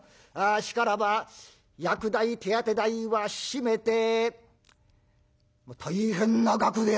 しからば薬代手当て代は締めて大変な額である。